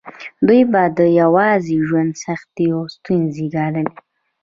دوی به د یوازې ژوند سختې او ستونزې ګاللې.